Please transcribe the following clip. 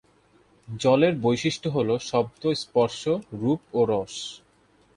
জলের বৈশিষ্ট্য হল শব্দ, স্পর্শ, রূপ ও রস।